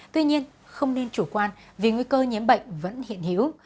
tuy nhiên không nên chủ quan vì nguy cơ nhiễm bệnh vẫn hiện hữu